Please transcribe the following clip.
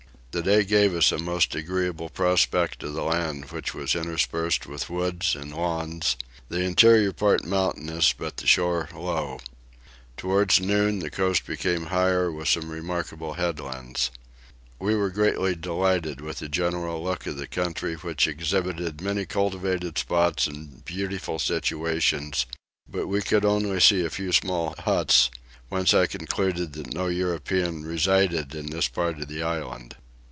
The day gave us a most agreeable prospect of the land which was interspersed with woods and lawns; the interior part mountainous, but the shore low. Towards noon the coast became higher with some remarkable headlands. We were greatly delighted with the general look of the country which exhibited many cultivated spots and beautiful situations; but we could only see a few small huts whence I concluded that no European resided in this part of the island.